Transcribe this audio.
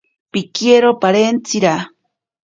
Pikiero parentsira.